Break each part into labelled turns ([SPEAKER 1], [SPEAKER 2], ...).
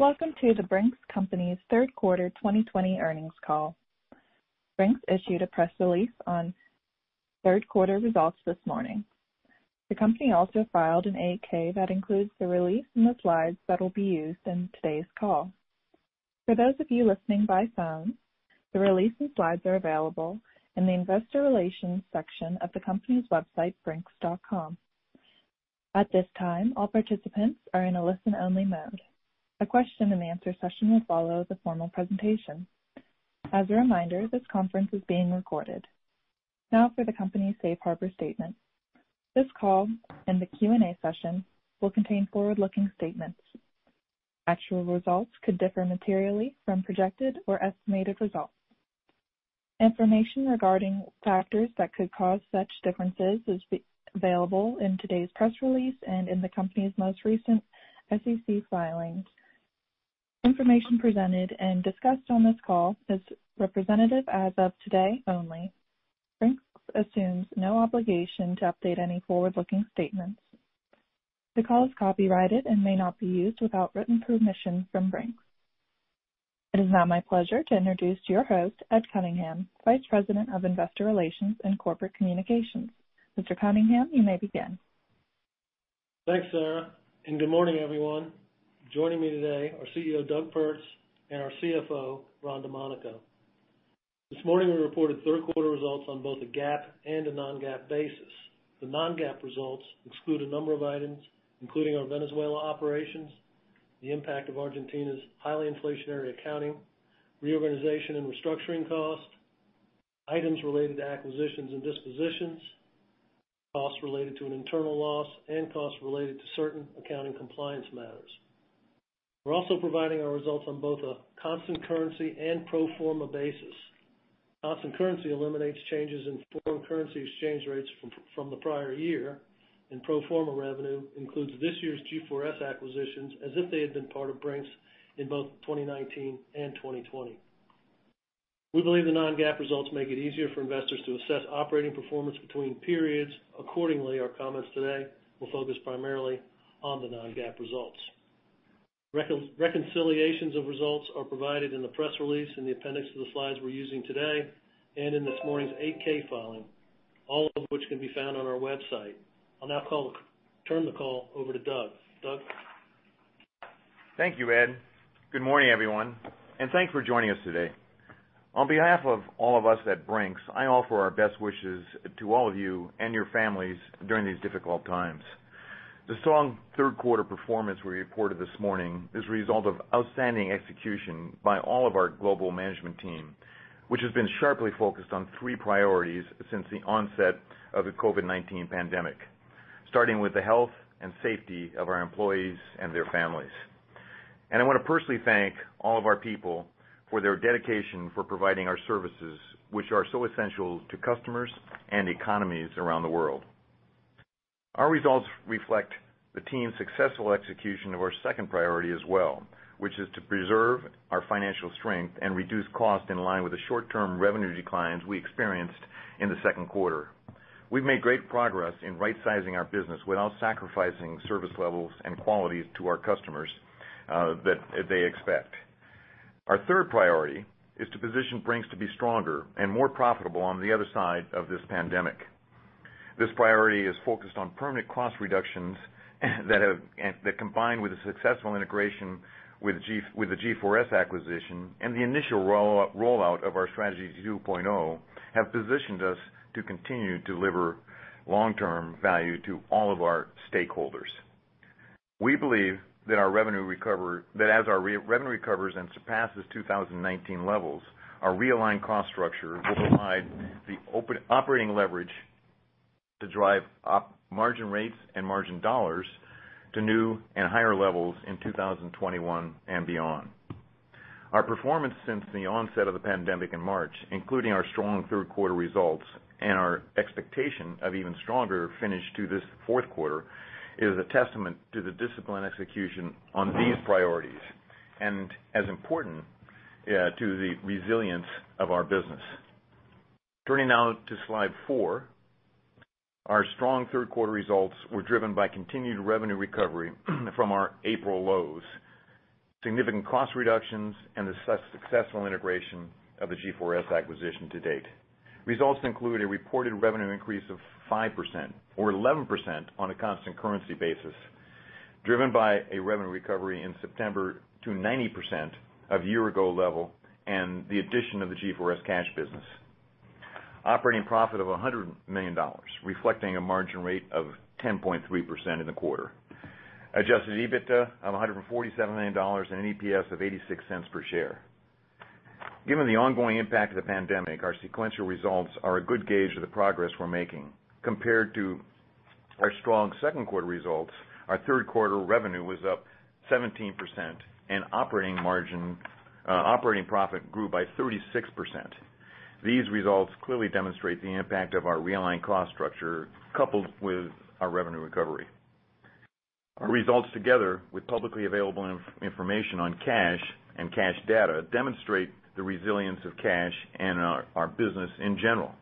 [SPEAKER 1] Welcome to The Brink's Company's third quarter 2020 earnings call. Brink's issued a press release on third quarter results this morning. The company also filed an 8-K that includes the release and the slides that will be used in today's call. For those of you listening by phone, the release and slides are available in the Investor Relations section of the company's website, brinks.com. At this time, all participants are in a listen-only mode. A question and answer session will follow the formal presentation. As a reminder, this conference is being recorded. Now for the company's safe harbor statement. This call and the Q&A session will contain forward-looking statements. Actual results could differ materially from projected or estimated results. Information regarding factors that could cause such differences is available in today's press release and in the company's most recent SEC filings. Information presented and discussed on this call is representative as of today only. Brink's assumes no obligation to update any forward-looking statements. The call is copyrighted and may not be used without written permission from Brink's. It is now my pleasure to introduce your host, Ed Cunningham, Vice President of Investor Relations and Corporate Communications. Mr. Cunningham, you may begin.
[SPEAKER 2] Thanks, Sarah. Good morning, everyone. Joining me today are CEO, Doug Pertz, and our CFO, Ron Domanico. This morning, we reported third quarter results on both a GAAP and a non-GAAP basis. The non-GAAP results exclude a number of items, including our Venezuela operations, the impact of Argentina's highly inflationary accounting, reorganization and restructuring costs, items related to acquisitions and dispositions, costs related to an internal loss, and costs related to certain accounting compliance matters. We're also providing our results on both a constant currency and pro forma basis. Constant currency eliminates changes in foreign currency exchange rates from the prior year, and pro forma revenue includes this year's G4S acquisitions as if they had been part of Brink's in both 2019 and 2020. We believe the non-GAAP results make it easier for investors to assess operating performance between periods. Our comments today will focus primarily on the non-GAAP results. Reconciliations of results are provided in the press release in the appendix of the slides we're using today, and in this morning's 8-K filing, all of which can be found on our website. I'll now turn the call over to Doug. Doug?
[SPEAKER 3] Thank you, Ed. Good morning, everyone, and thanks for joining us today. On behalf of all of us at Brink's, I offer our best wishes to all of you and your families during these difficult times. The strong third quarter performance we reported this morning is a result of outstanding execution by all of our global management team, which has been sharply focused on three priorities since the onset of the COVID-19 pandemic. Starting with the health and safety of our employees and their families. I want to personally thank all of our people for their dedication for providing our services, which are so essential to customers and economies around the world. Our results reflect the team's successful execution of our second priority as well, which is to preserve our financial strength and reduce cost in line with the short-term revenue declines we experienced in the second quarter. We've made great progress in right-sizing our business without sacrificing service levels and qualities to our customers that they expect. Our third priority is to position Brink's to be stronger and more profitable on the other side of this pandemic. This priority is focused on permanent cost reductions, that combined with a successful integration with the G4S acquisition and the initial rollout of our Strategy 2.0, have positioned us to continue to deliver long-term value to all of our stakeholders. We believe that as our revenue recovers and surpasses 2019 levels, our Realigned Cost Structure will provide the operating leverage to drive up margin rates and margin dollars to new and higher levels in 2021 and beyond. Our performance since the onset of the pandemic in March, including our strong third quarter results and our expectation of even stronger finish to this fourth quarter, is a testament to the disciplined execution on these priorities, and as important, to the resilience of our business. Turning now to slide four. Our strong third quarter results were driven by continued Revenue Recovery from our April lows, significant cost reductions, and the successful integration of the G4S acquisition to date. Results include a reported revenue increase of 5%, or 11% on a constant currency basis, driven by a Revenue Recovery in September to 90% of year ago level and the addition of the G4S Cash business. Operating profit of $100 million, reflecting a margin rate of 10.3% in the quarter. Adjusted EBITDA of $147 million and an EPS of $0.86 per share. Given the ongoing impact of the pandemic, our sequential results are a good gauge of the progress we're making. Compared to our strong second quarter results, our third quarter revenue was up 17% and operating profit grew by 36%. These results clearly demonstrate the impact of our Realigned Cost Structure, coupled with our Revenue Recovery. Our results, together with publicly available information on Cash and Cash data, demonstrate the resilience of Cash and our business in general.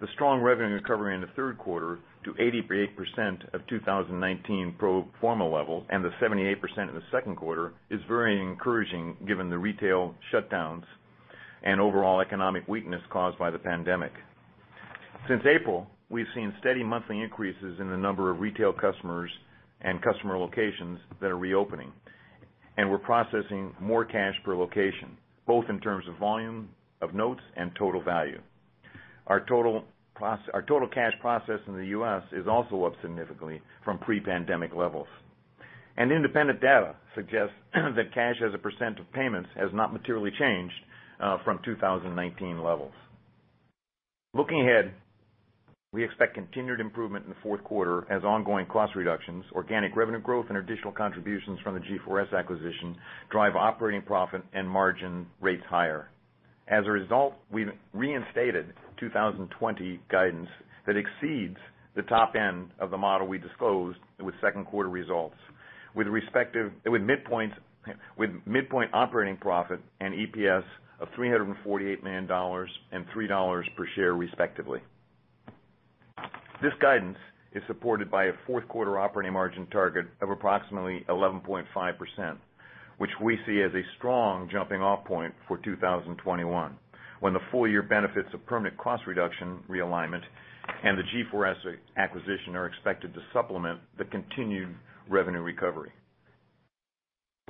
[SPEAKER 3] The strong Revenue Recovery in the third quarter to 88% of 2019 pro forma level and the 78% in the second quarter is very encouraging given the retail shutdowns and overall economic weakness caused by the pandemic. Since April, we've seen steady monthly increases in the number of retail customers and customer locations that are reopening, and we're processing more cash per location, both in terms of volume of notes and total value. Our total cash processed in the U.S. is also up significantly from pre-pandemic levels. Independent data suggests that cash as a percent of payments has not materially changed from 2019 levels. Looking ahead, we expect continued improvement in the fourth quarter as ongoing cost reductions, organic revenue growth, and additional contributions from the G4S acquisition drive operating profit and margin rates higher. As a result, we've reinstated 2020 guidance that exceeds the top end of the model we disclosed with second quarter results, with midpoint operating profit and EPS of $348 million and $3 per share, respectively. This guidance is supported by a fourth quarter operating margin target of approximately 11.5%, which we see as a strong jumping-off point for 2021, when the full year benefits of permanent cost reduction realignment and the G4S acquisition are expected to supplement the continued Revenue Recovery.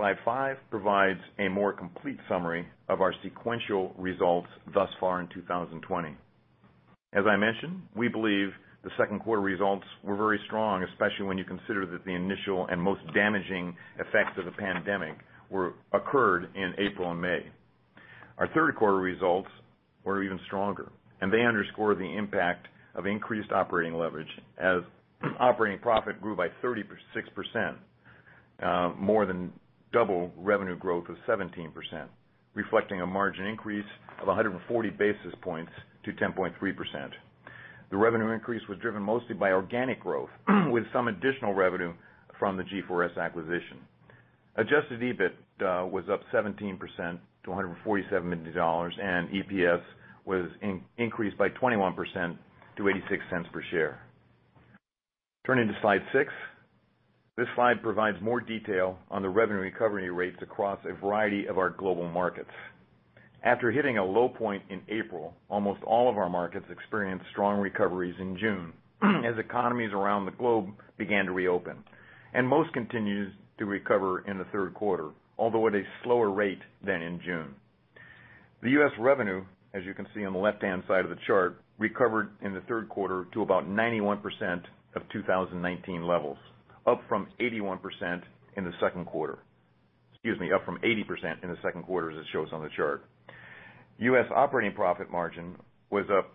[SPEAKER 3] Slide five provides a more complete summary of our sequential results thus far in 2020. As I mentioned, we believe the second quarter results were very strong, especially when you consider that the initial and most damaging effects of the pandemic occurred in April and May. Our third quarter results were even stronger, and they underscore the impact of increased operating leverage as operating profit grew by 36%, more than double revenue growth of 17%, reflecting a margin increase of 140 basis points to 10.3%. The revenue increase was driven mostly by organic growth, with some additional revenue from the G4S acquisition. Adjusted EBIT was up 17% to $147 million, and EPS was increased by 21% to $0.86 per share. Turning to slide six. This slide provides more detail on the Revenue Recovery rates across a variety of our global markets. After hitting a low point in April, almost all of our markets experienced strong recoveries in June as economies around the globe began to reopen, and most continued to recover in the third quarter, although at a slower rate than in June. The U.S. revenue, as you can see on the left-hand side of the chart, recovered in the third quarter to about 91% of 2019 levels, up from 81% in the second quarter. Excuse me, up from 80% in the second quarter as it shows on the chart. U.S. operating profit margin was up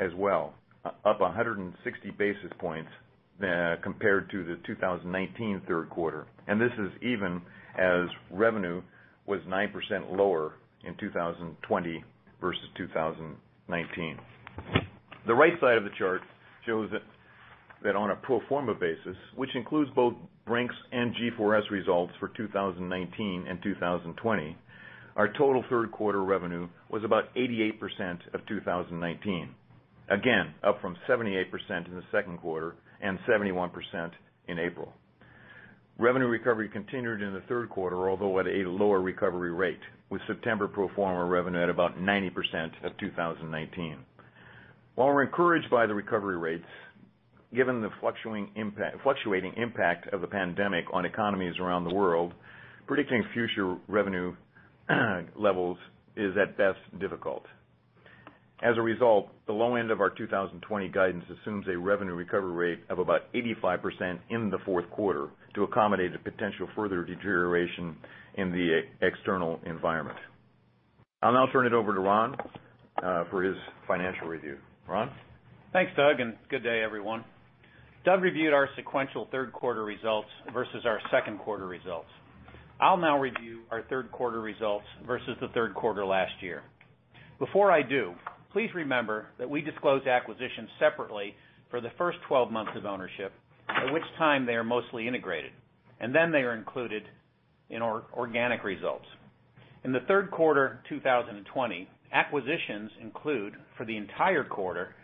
[SPEAKER 3] as well, up 160 basis points compared to the 2019 third quarter. This is even as revenue was 9% lower in 2020 versus 2019. The right side of the chart shows that on a pro forma basis, which includes both Brink's and G4S results for 2019 and 2020, our total third quarter revenue was about 88% of 2019, again, up from 78% in the second quarter and 71% in April. Revenue Recovery continued in the third quarter, although at a lower recovery rate, with September pro forma revenue at about 90% of 2019. While we're encouraged by the recovery rates, given the fluctuating impact of the pandemic on economies around the world, predicting future revenue levels is at best difficult. The low end of our 2020 guidance assumes a Revenue Recovery rate of about 85% in the fourth quarter to accommodate a potential further deterioration in the external environment. I'll now turn it over to Ron for his financial review. Ron?
[SPEAKER 4] Thanks, Doug. Good day, everyone. Doug reviewed our sequential third quarter results versus our second quarter results. I'll now review our third quarter results versus the third quarter last year. Before I do, please remember that we disclose acquisitions separately for the first 12 months of ownership, at which time they are mostly integrated, then they are included in our organic results. In the third quarter 2020, acquisitions include, for the entire quarter,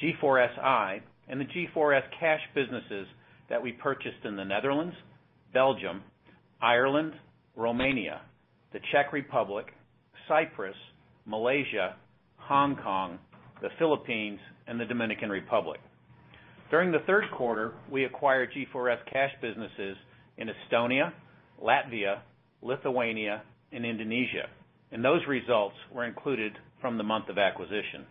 [SPEAKER 4] G4Si and the G4S cash businesses that we purchased in the Netherlands, Belgium, Ireland, Romania, the Czech Republic, Cyprus, Malaysia, Hong Kong, the Philippines, and the Dominican Republic. During the third quarter, we acquired G4S cash businesses in Estonia, Latvia, Lithuania, and Indonesia, those results were included from the month of acquisition.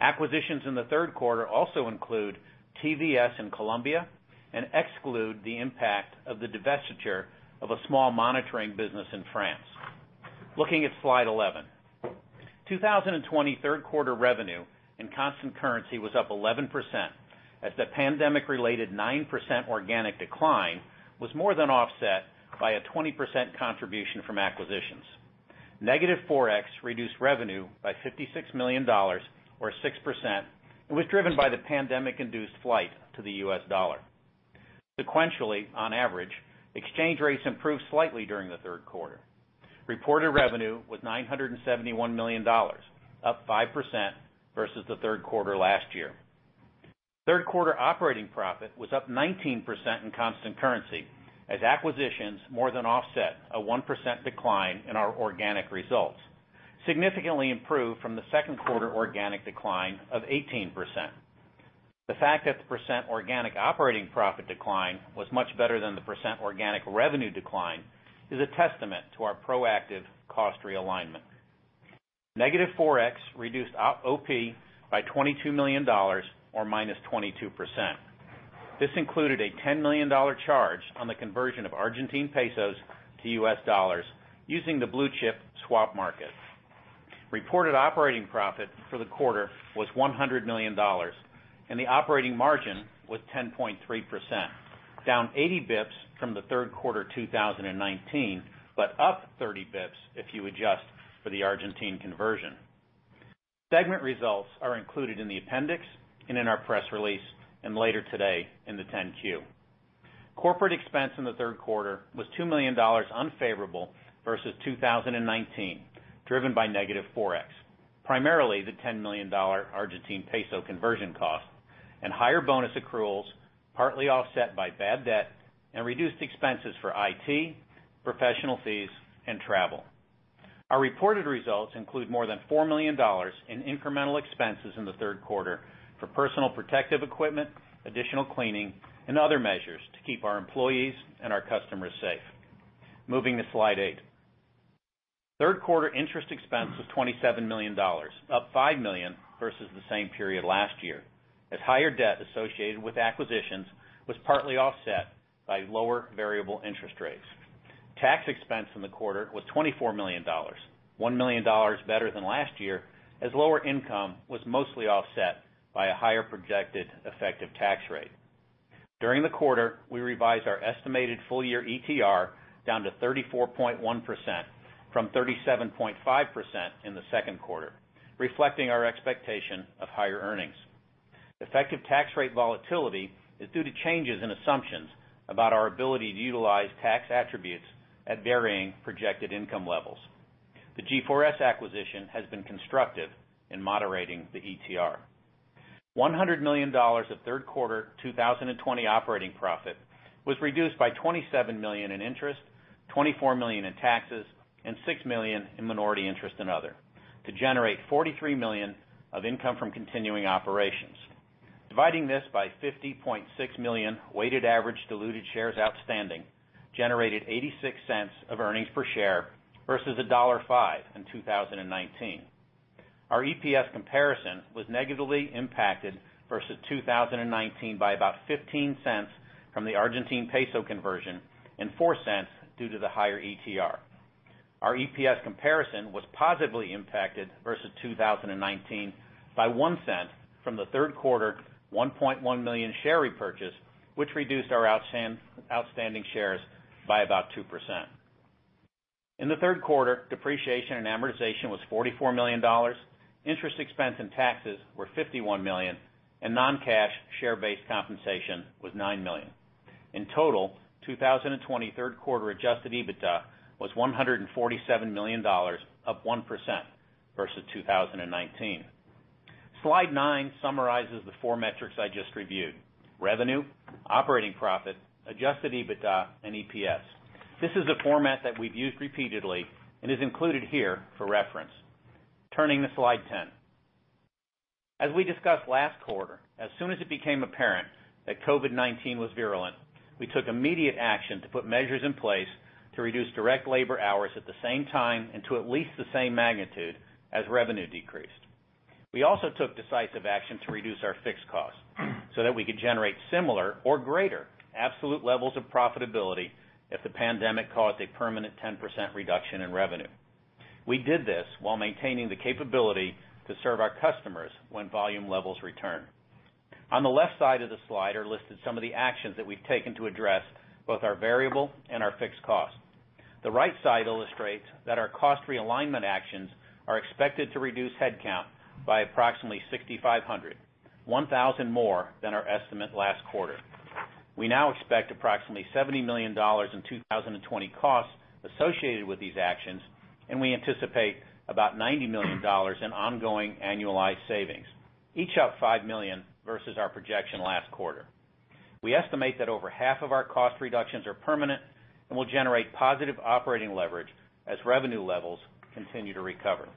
[SPEAKER 4] Acquisitions in the third quarter also include TVS in Colombia and exclude the impact of the divestiture of a small monitoring business in France. Looking at slide 11. 2020 third quarter revenue and constant currency was up 11% as the pandemic-related 9% organic decline was more than offset by a 20% contribution from acquisitions. Negative ForEx reduced revenue by $56 million, or 6%, and was driven by the pandemic-induced flight to the U.S. dollar. Sequentially, on average, exchange rates improved slightly during the third quarter. Reported revenue was $971 million, up 5% versus the third quarter last year. Third quarter operating profit was up 19% in constant currency, as acquisitions more than offset a 1% decline in our organic results, significantly improved from the second quarter organic decline of 18%. The fact that the percent organic operating profit decline was much better than the percent organic revenue decline is a testament to our proactive cost realignment. Negative ForEx reduced OP by $22 million, or -22%. This included a $10 million charge on the conversion of Argentine pesos to U.S. dollars using the blue-chip swap market. Reported operating profit for the quarter was $100 million, and the operating margin was 10.3%, down 80 basis point from the third quarter 2019, but up 30 bps if you adjust for the Argentine conversion. Segment results are included in the appendix and in our press release, later today in the 10-Q. Corporate expense in the third quarter was $2 million unfavorable versus 2019, driven by negative ForEx, primarily the $10 million Argentine peso conversion cost and higher bonus accruals, partly offset by bad debt and reduced expenses for IT, professional fees, and travel. Our reported results include more than $4 million in incremental expenses in the third quarter for personal protective equipment, additional cleaning, and other measures to keep our employees and our customers safe. Moving to slide eight. Third quarter interest expense was $27 million, up $5 million versus the same period last year, as higher debt associated with acquisitions was partly offset by lower variable interest rates. Tax expense in the quarter was $24 million, $1 million better than last year, as lower income was mostly offset by a higher projected effective tax rate. During the quarter, we revised our estimated full-year ETR down to 34.1% from 37.5% in the second quarter, reflecting our expectation of higher earnings. Effective tax rate volatility is due to changes in assumptions about our ability to utilize tax attributes at varying projected income levels. The G4S acquisition has been constructive in moderating the ETR. $100 million of third quarter 2020 operating profit was reduced by $27 million in interest, $24 million in taxes, and $6 million in minority interest and other to generate $43 million of income from continuing operations. Dividing this by 50.6 million weighted average diluted shares outstanding generated $0.86 of earnings per share versus $1.05 in 2019. Our EPS comparison was negatively impacted versus 2019 by about $0.15 from the Argentine peso conversion and $0.04 due to the higher ETR. Our EPS comparison was positively impacted versus 2019 by $0.01 from the third quarter 1.1 million share repurchase, which reduced our outstanding shares by about 2%. In the third quarter, depreciation and amortization was $44 million, interest expense and taxes were $51 million, and non-cash share-based compensation was $9 million. In total, 2020 third quarter Adjusted EBITDA was $147 million, up 1% versus 2019. Slide nine summarizes the four metrics I just reviewed: revenue, operating profit, Adjusted EBITDA, and EPS. This is a format that we've used repeatedly and is included here for reference. Turning to slide 10. As we discussed last quarter, as soon as it became apparent that COVID-19 was virulent, we took immediate action to put measures in place to reduce direct labor hours at the same time and to at least the same magnitude as revenue decreased. We also took decisive action to reduce our fixed costs so that we could generate similar or greater absolute levels of profitability if the pandemic caused a permanent 10% reduction in revenue. We did this while maintaining the capability to serve our customers when volume levels return. On the left side of the slide are listed some of the actions that we've taken to address both our variable and our fixed costs. The right side illustrates that our cost realignment actions are expected to reduce headcount by approximately 6,500, 1,000 more than our estimate last quarter. We now expect approximately $70 million in 2020 costs associated with these actions, and we anticipate about $90 million in ongoing annualized savings, each up $5 million versus our projection last quarter. We estimate that over 1/2 of our cost reductions are permanent and will generate positive operating leverage as revenue levels continue to recover.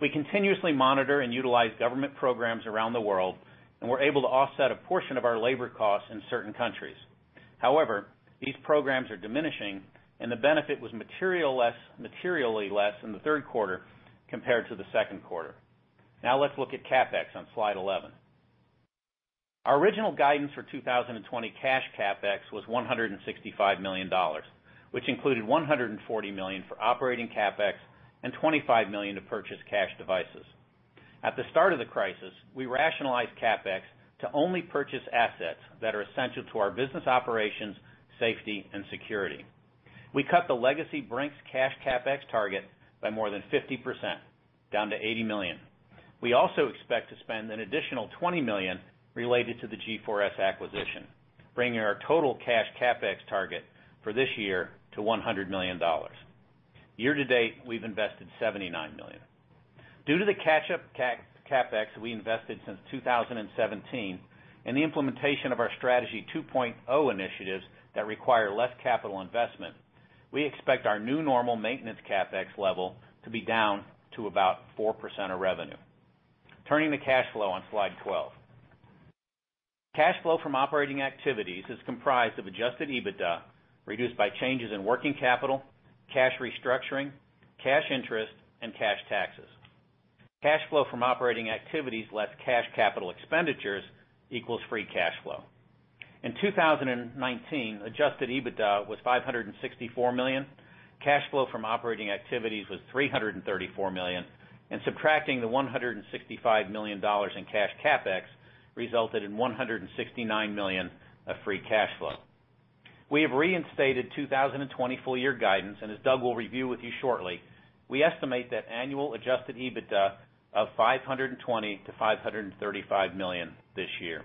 [SPEAKER 4] We continuously monitor and utilize government programs around the world, and we're able to offset a portion of our labor costs in certain countries. However, these programs are diminishing, and the benefit was materially less in the third quarter compared to the second quarter. Now let's look at CapEx on slide 11. Our original guidance for 2020 cash CapEx was $165 million, which included $140 million for operating CapEx and $25 million to purchase cash devices. At the start of the crisis, we rationalized CapEx to only purchase assets that are essential to our business operations, safety, and security. We cut the legacy Brink's cash CapEx target by more than 50%, down to $80 million. We also expect to spend an additional $20 million related to the G4S acquisition, bringing our total cash CapEx target for this year to $100 million. Year-to-date, we've invested $79 million. Due to the catch-up CapEx we invested since 2017 and the implementation of our Strategy 2.0 initiatives that require less capital investment, we expect our new normal maintenance CapEx level to be down to about 4% of revenue. Turning to cash flow on slide 12. Cash flow from operating activities is comprised of Adjusted EBITDA, reduced by changes in working capital, cash restructuring, cash interest, and cash taxes. Cash flow from operating activities less cash capital expenditures equals free cash flow. In 2019, Adjusted EBITDA was $564 million, cash flow from operating activities was $334 million, and subtracting the $165 million in cash CapEx resulted in $169 million of free cash flow. We have reinstated 2020 full-year guidance, as Doug will review with you shortly, we estimate that annual Adjusted EBITDA of $520 million-$535 million this year.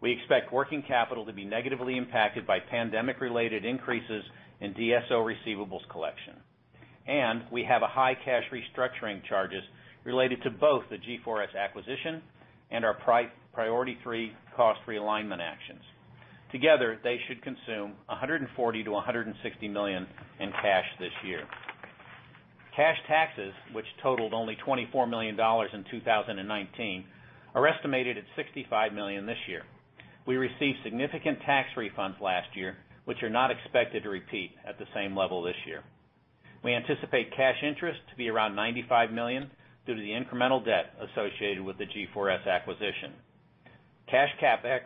[SPEAKER 4] We expect working capital to be negatively impacted by pandemic-related increases in DSO receivables collection. We have a high cash restructuring charges related to both the G4S acquisition and our Priority 3 cost realignment actions. Together, they should consume $140 million-$160 million in cash this year. Cash taxes, which totaled only $24 million in 2019, are estimated at $65 million this year. We received significant tax refunds last year, which are not expected to repeat at the same level this year. We anticipate cash interest to be around $95 million due to the incremental debt associated with the G4S acquisition. Cash CapEx,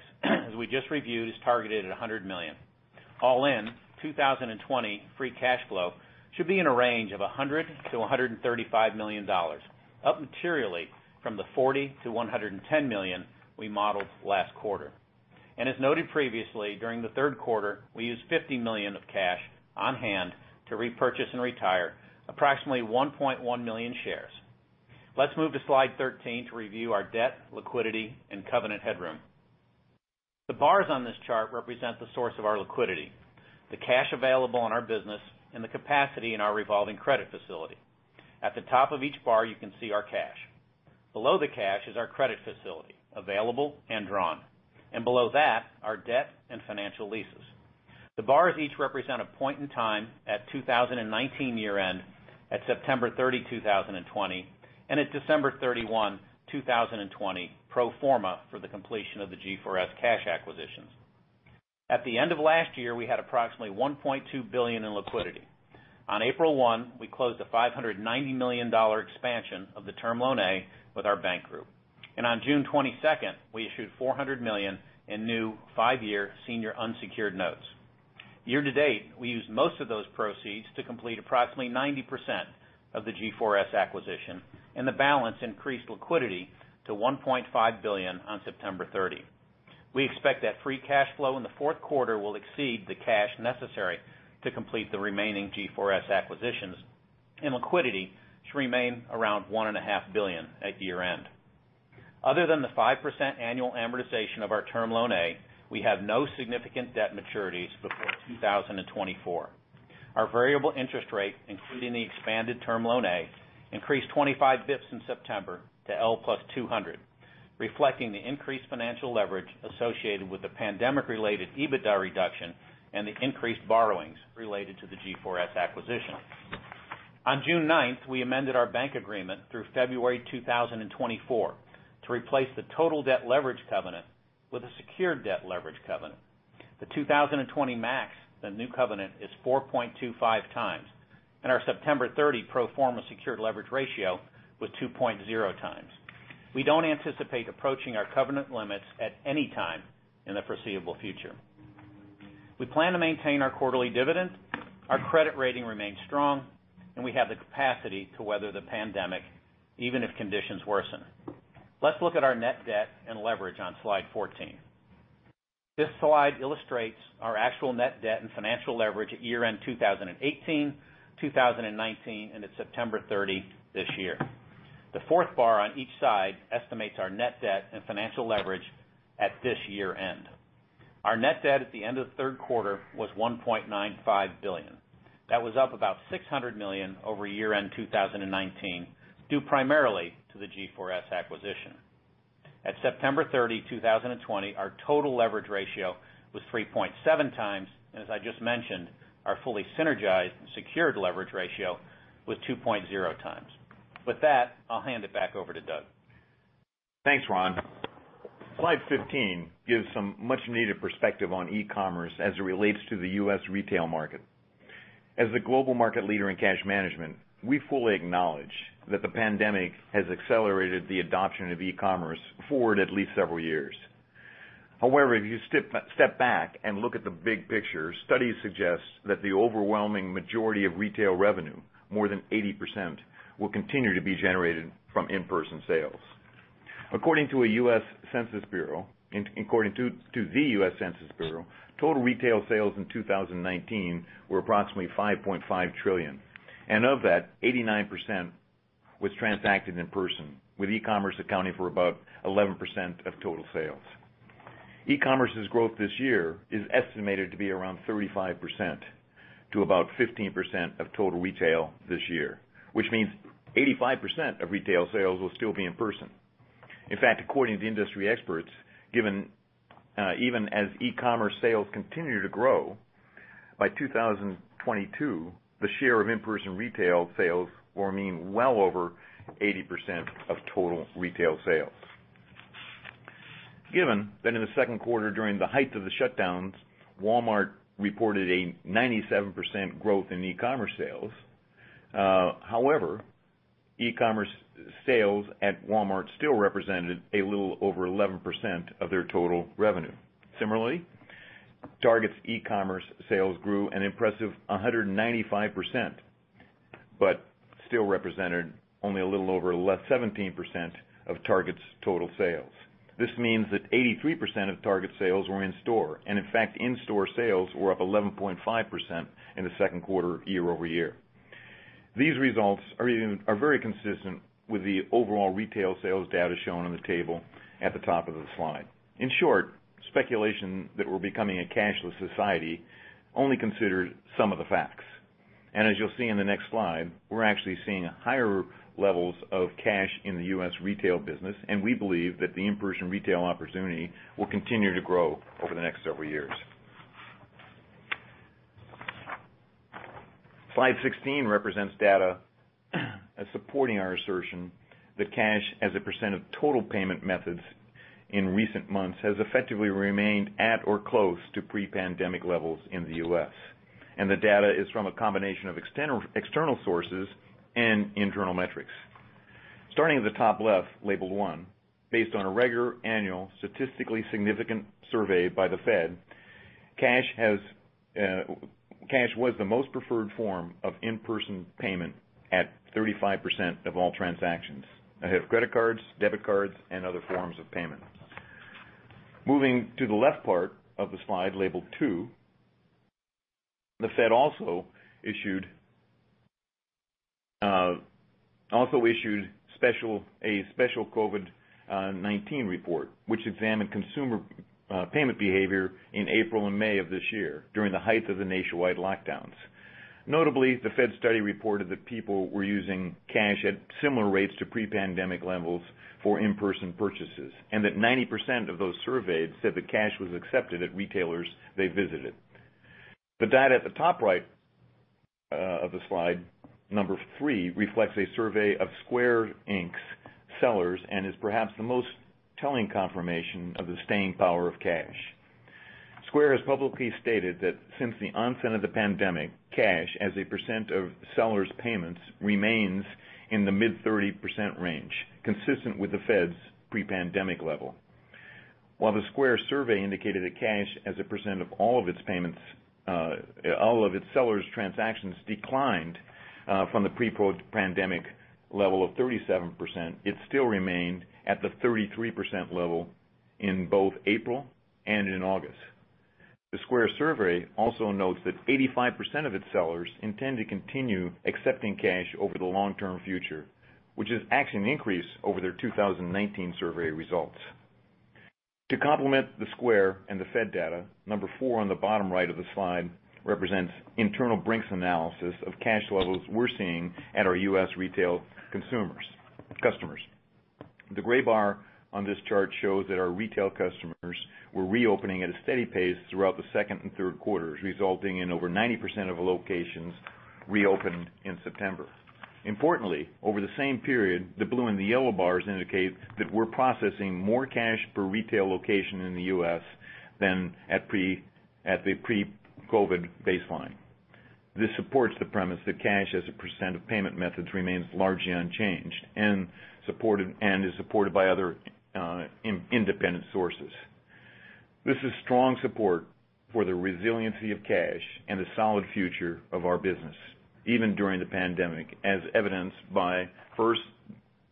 [SPEAKER 4] as we just reviewed, is targeted at $100 million. All in, 2020 free cash flow should be in a range of $100 million-$135 million, up materially from the $40 million-$110 million we modeled last quarter. As noted previously, during the third quarter, we used $50 million of cash on-hand to repurchase and retire approximately 1.1 million shares. Let's move to slide 13 to review our debt, liquidity, and covenant headroom. The bars on this chart represent the source of our liquidity, the cash available in our business, and the capacity in our revolving credit facility. At the top of each bar, you can see our cash. Below the cash is our credit facility, available and drawn. Below that, our debt and financial leases. The bars each represent a point in time at 2019 year-end, at September 30, 2020, and at December 31, 2020, pro forma for the completion of the G4S Cash acquisitions. At the end of last year, we had approximately $1.2 billion in liquidity. On April 1, we closed a $590 million expansion of the Term Loan A with our bank group. On June 22nd, we issued $400 million in new five-year senior unsecured notes. Year-to-date, we used most of those proceeds to complete approximately 90% of the G4S acquisition, and the balance increased liquidity to $1.5 billion on September 30. We expect that free cash flow in the fourth quarter will exceed the cash necessary to complete the remaining G4S acquisitions, and liquidity should remain around $1.5 billion at year-end. Other than the 5% annual amortization of our Term Loan A, we have no significant debt maturities before 2024. Our variable interest rate, including the expanded term loan A, increased 25 basis points in September to L plus 200, reflecting the increased financial leverage associated with the pandemic-related EBITDA reduction and the increased borrowings related to the G4S acquisition. On June 9th, we amended our bank agreement through February 2024 to replace the total debt leverage covenant with a secured debt leverage covenant. The 2020 max, the new covenant is 4.25x, and our September 30 pro forma secured leverage ratio was 2.0x. We don't anticipate approaching our covenant limits at any time in the foreseeable future. We plan to maintain our quarterly dividend. Our credit rating remains strong, and we have the capacity to weather the pandemic even if conditions worsen. Let's look at our net debt and leverage on slide 14. This slide illustrates our actual net debt and financial leverage at year-end 2018, 2019, and at September 30 this year. The fourth bar on each side estimates our net debt and financial leverage at this year-end. Our net debt at the end of the third quarter was $1.95 billion. That was up about $600 million over year-end 2019, due primarily to the G4S acquisition. At September 30, 2020, our total leverage ratio was 3.7x, and as I just mentioned, our fully synergized secured leverage ratio was 2.0x. With that, I'll hand it back over to Doug.
[SPEAKER 3] Thanks, Ron. Slide 15 gives some much needed perspective on e-commerce as it relates to the U.S. retail market. As the global market leader in cash management, we fully acknowledge that the pandemic has accelerated the adoption of e-commerce forward at least several years. If you step back and look at the big picture, studies suggest that the overwhelming majority of retail revenue, more than 80%, will continue to be generated from in-person sales. According to the U.S. Census Bureau, total retail sales in 2019 were approximately $5.5 trillion. Of that, 89% was transacted in person, with e-commerce accounting for about 11% of total sales. E-commerce's growth this year is estimated to be around 35%, to about 15% of total retail this year, which means 85% of retail sales will still be in-person. In fact, according to industry experts, even as e-commerce sales continue to grow, by 2022, the share of in-person retail sales will remain well over 80% of total retail sales. Given that in the second quarter during the height of the shutdowns, Walmart reported a 97% growth in e-commerce sales. However, e-commerce sales at Walmart still represented a little over 11% of their total revenue. Similarly, Target's e-commerce sales grew an impressive 195%, but still represented only a little over 17% of Target's total sales. This means that 83% of Target's sales were in-store, and in fact, in-store sales were up 11.5% in the second quarter, year-over-year. These results are very consistent with the overall retail sales data shown on the table at the top of the slide. In short, speculation that we're becoming a cashless society only considered some of the facts. As you'll see in the next slide, we're actually seeing higher levels of cash in the U.S. retail business, and we believe that the in-person retail opportunity will continue to grow over the next several years. Slide 16 represents data as supporting our assertion that cash as a percent of total payment methods in recent months has effectively remained at or close to pre-pandemic levels in the U.S. The data is from a combination of external sources and internal metrics. Starting at the top left, labeled one, based on a regular annual statistically significant survey by the Fed, cash was the most preferred form of in-person payment at 35% of all transactions, ahead of credit cards, debit cards, and other forms of payment. Moving to the left part of the slide, labeled two, the Fed also issued a special COVID-19 report, which examined consumer payment behavior in April and May of this year during the height of the nationwide lockdowns. Notably, the Fed study reported that people were using cash at similar rates to pre-pandemic levels for in-person purchases, and that 90% of those surveyed said that cash was accepted at retailers they visited. The data at the top right of the slide, number three, reflects a survey of Square Inc.'s sellers and is perhaps the most telling confirmation of the staying power of cash. Square has publicly stated that since the onset of the pandemic, cash as a percent of sellers' payments remains in the mid-30% range, consistent with the Fed's pre-pandemic level. While the Square survey indicated that cash as a percent of all of its sellers' transactions declined from the pre-pandemic level of 37%, it still remained at the 33% level in both April and in August. The Square survey also notes that 85% of its sellers intend to continue accepting cash over the long-term future, which is actually an increase over their 2019 survey results. To complement the Square and the Fed data, number four on the bottom right of the slide represents internal Brink's analysis of cash levels we're seeing at our U.S. retail customers. The gray bar on this chart shows that our retail customers were reopening at a steady pace throughout the second and third quarters, resulting in over 90% of locations reopened in September. Importantly, over the same period, the blue and the yellow bars indicate that we're processing more cash per retail location in the U.S. than at the pre-COVID baseline. This supports the premise that cash as a percent of payment methods remains largely unchanged and is supported by other independent sources. This is strong support for the resiliency of cash and the solid future of our business, even during the pandemic, as evidenced by first,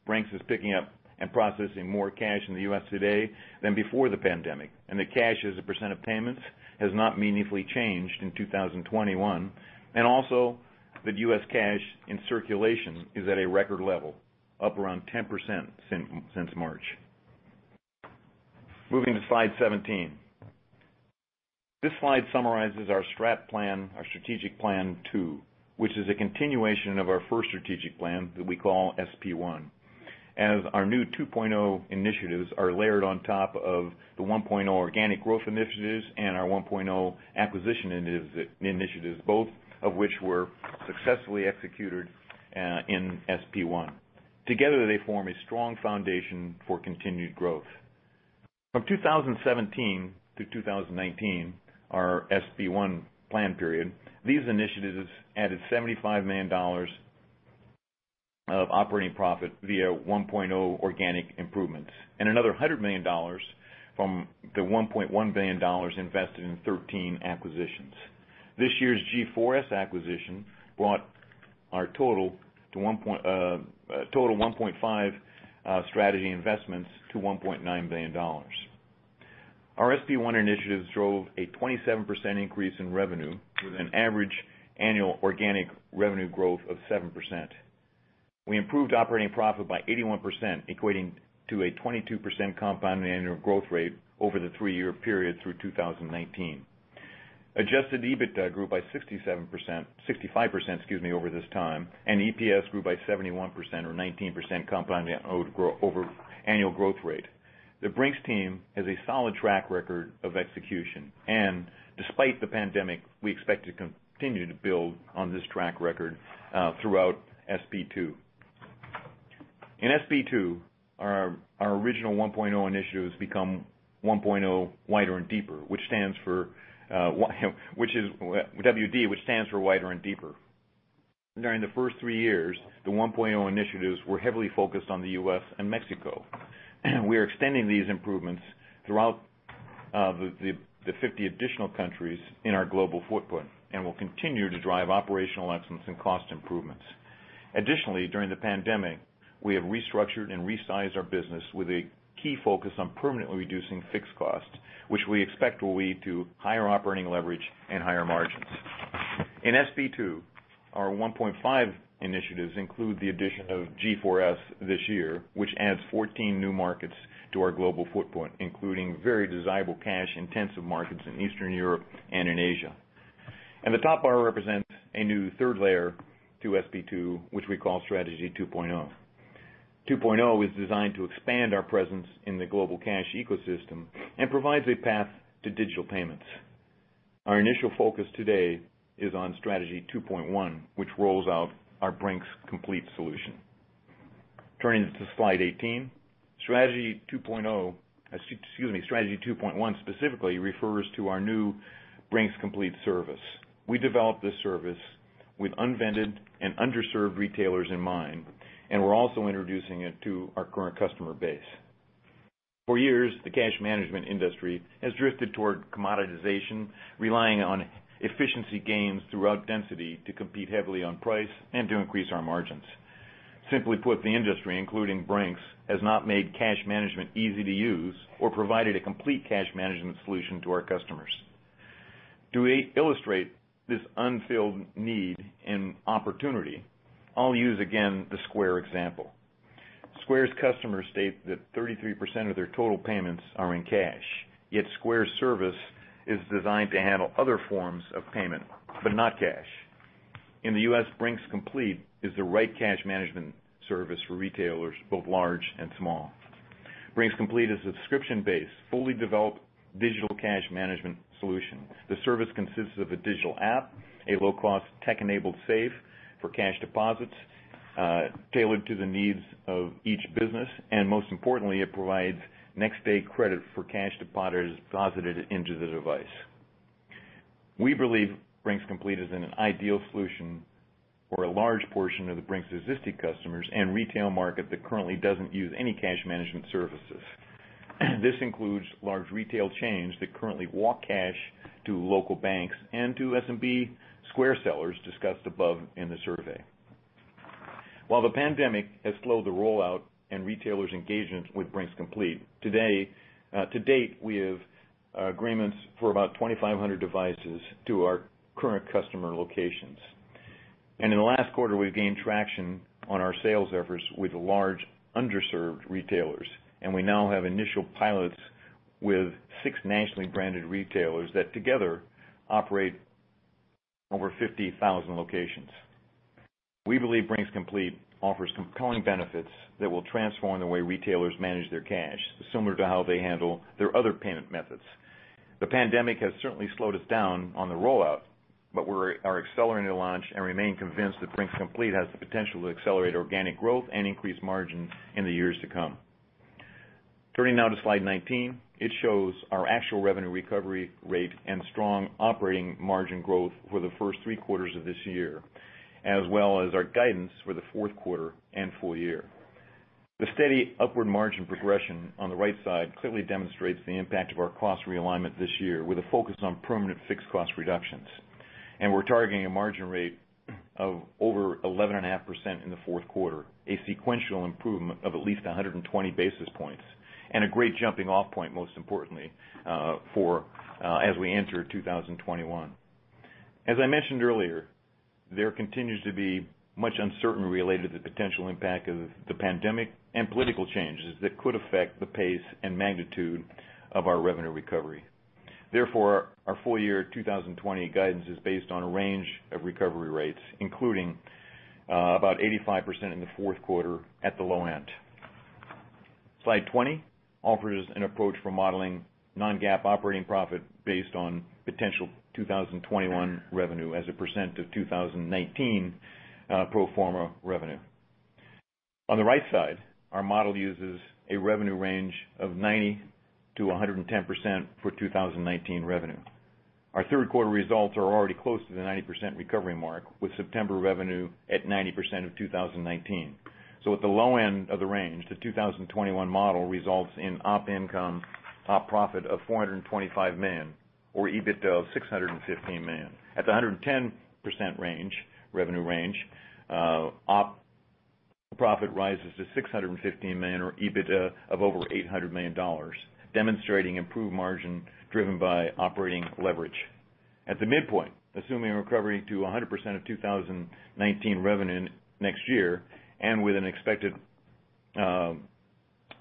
[SPEAKER 3] Brink's is picking up and processing more cash in the U.S. today than before the pandemic, and that cash as a percent of payments has not meaningfully changed in 2021. Also that U.S. cash in circulation is at a record level, up around 10% since March. Moving to slide 17. This slide summarizes our SP2, which is a continuation of our first strategic plan that we call SP1, as our new 2.0 initiatives are layered on top of the 1.0 organic growth initiatives and our 1.0 acquisition initiatives, both of which were successfully executed in SP1. Together, they form a strong foundation for continued growth. From 2017-2019, our SP1 plan period, these initiatives added $75 million of operating profit via 1.0 organic improvements, and another $100 million from the $1.1 billion invested in 13 acquisitions. This year's G4S acquisition brought our total 1.5 strategy investments to $1.9 billion. Our SP1 initiatives drove a 27% increase in revenue with an average annual organic revenue growth of 7%. We improved operating profit by 81%, equating to a 22% compound annual growth rate over the three-year period through 2019. Adjusted EBITDA grew by 65% over this time, and EPS grew by 71%, or 19% compound annual growth rate. The Brink's team has a solid track record of execution, and despite the pandemic, we expect to continue to build on this track record throughout SP2. In SP2, our original 1.0 Initiatives become 1.0 Wider and Deeper. WD, which stands for Wider and Deeper. During the first three years, the 1.0 Initiatives were heavily focused on the U.S. and Mexico. We are extending these improvements throughout the 50 additional countries in our global footprint and will continue to drive operational excellence and cost improvements. Additionally, during the pandemic, we have restructured and resized our business with a key focus on permanently reducing fixed costs, which we expect will lead to higher operating leverage and higher margins. In SP2, our 1.5 initiatives include the addition of G4S this year, which adds 14 new markets to our global footprint, including very desirable cash-intensive markets in Eastern Europe and in Asia. The top bar represents a new third layer to SP2, which we call Strategy 2.0. 2.0 is designed to expand our presence in the global Cash Ecosystem and provides a path to digital payments. Our initial focus today is on Strategy 2.1, which rolls out our Brink's Complete solution. Turning to slide 18, Strategy 2.1 specifically refers to our new Brink's Complete service. We developed this service with unvended and underserved retailers in mind, and we're also introducing it to our current customer base. For years, the cash management industry has drifted toward commoditization, relying on efficiency gains throughout density to compete heavily on price and to increase our margins. Simply put, the industry, including Brink's, has not made cash management easy to use or provided a complete Cash Management Solution to our customers. To illustrate this unfilled need and opportunity, I'll use again the Square example. Square's customers state that 33% of their total payments are in cash. Square's service is designed to handle other forms of payment, but not cash. In the U.S., Brink's Complete is the right cash management service for retailers, both large and small. Brink's Complete is a subscription-based, fully developed digital cash management solution. The service consists of a digital app, a low-cost tech-enabled safe for cash deposits tailored to the needs of each business, and most importantly, it provides next-day credit for cash deposited into the device. We believe Brink's Complete is an ideal solution for a large portion of Brink's existing customers and retail market that currently doesn't use any cash management services. This includes large retail chains that currently walk cash to local banks and to SMB Square sellers discussed above in the survey. While the pandemic has slowed the rollout and retailers engagement with Brink's Complete, to date, we have agreements for about 2,500 devices to our current customer locations. In the last quarter, we've gained traction on our sales efforts with large underserved retailers, and we now have initial pilots with six nationally branded retailers that together operate over 50,000 locations. We believe Brink's Complete offers compelling benefits that will transform the way retailers manage their cash, similar to how they handle their other payment methods. The pandemic has certainly slowed us down on the rollout, but we are accelerating the launch and remain convinced that Brink's Complete has the potential to accelerate organic growth and increase margins in the years to come. Turning now to slide 19, it shows our actual Revenue Recovery rate and strong operating margin growth for the first three quarters of this year, as well as our guidance for the fourth quarter and full year. The steady upward margin progression on the right side clearly demonstrates the impact of our cost realignment this year with a focus on permanent fixed cost reductions. We're targeting a margin rate of over 11.5% in the fourth quarter, a sequential improvement of at least 120 basis points, and a great jumping-off point, most importantly, as we enter 2021. As I mentioned earlier, there continues to be much uncertainty related to the potential impact of the pandemic and political changes that could affect the pace and magnitude of our Revenue Recovery. Our full-year 2020 guidance is based on a range of recovery rates, including about 85% in the fourth quarter at the low end. Slide 20 offers an approach for modeling non-GAAP operating profit based on potential 2021 revenue as a percent of 2019 pro forma revenue. On the right side, our model uses a revenue range of 90%-110% for 2019 revenue. Our third quarter results are already close to the 90% recovery mark, with September revenue at 90% of 2019. At the low end of the range, the 2021 model results in op income, op profit of $425 million. EBITDA of $615 million. At the 110% revenue range, op profit rises to $615 million or EBITDA of over $800 million, demonstrating improved margin driven by operating leverage. At the midpoint, assuming a recovery to 100% of 2019 revenue next year, and with an expected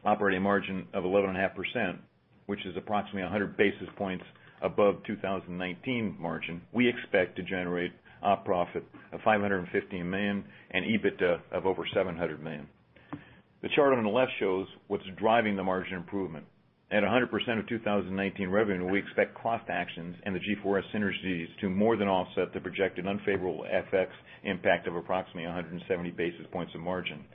[SPEAKER 3] operating margin of 11.5%, which is approximately 100 basis points above 2019 margin, we expect to generate op profit of $515 million and EBITDA of over $700 million. The chart on the left shows what's driving the margin improvement. At 100% of 2019 revenue, we expect cost actions and the G4S synergies to more than offset the projected unfavorable FX impact of approximately 170 basis points of margin,